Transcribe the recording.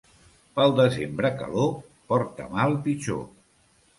Pel desembre calor, porta mal pitjor.